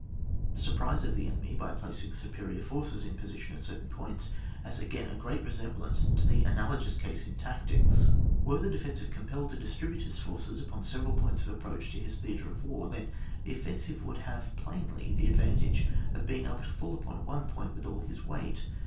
The surprise of the enemy, by placing superior forces in position at certain points, has again a great resemblance to the analogous case in tactics. Were the de fensive compelled to distribute his forces upon several points of approach to his theatre of war, then the offensive would have plainly the advantage of being able to fall upon one point with all his weight.